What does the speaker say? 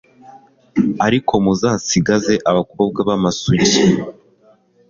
ariko muzasigaze abakobwa b'amasugi